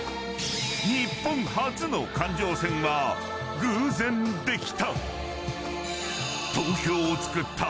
日本初の環状線は偶然できた！